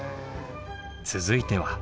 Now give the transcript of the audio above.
続いては。